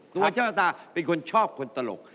ตัวเจ้าตาเป็นคนชอบคนตลก